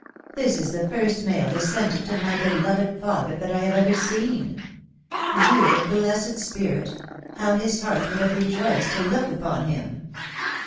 This is the first male descendant of riiy beloved father that I have ever seen. Dear, blessed spirit ! how his heart would have rejoiced to look upon him